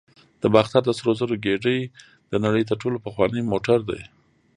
د باختر د سرو زرو ګېډۍ د نړۍ تر ټولو پخوانی موټر دی